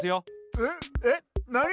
えっえっなに！？